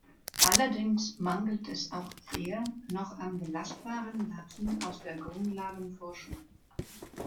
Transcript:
Allerdings mangelt es auch hier noch an belastbaren Daten aus der Grundlagenforschung.